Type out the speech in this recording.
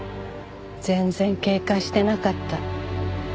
全然警戒してなかった。